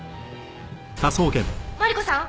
マリコさん